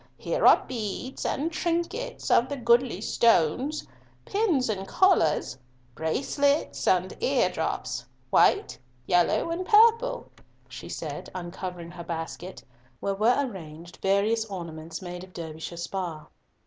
Here are beads and trinkets of the goodly stones, pins and collars, bracelets and eardrops, white, yellow, and purple," she said, uncovering her basket, where were arranged various ornaments made of Derbyshire spar.